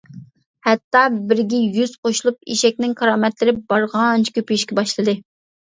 ھەتتا بىرگە يۈز قوشۇلۇپ ئېشەكنىڭ كارامەتلىرى بارغانچە كۆپىيىشكە باشلىدى.